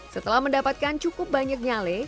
setelah mendapatkan cukup banyak nyale